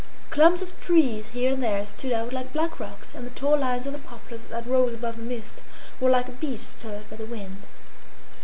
Clumps of trees here and there stood out like black rocks, and the tall lines of the poplars that rose above the mist were like a beach stirred by the wind.